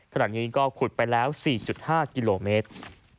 ขณะนี้ก็ขุดไปแล้ว๔๕กิโลเมตร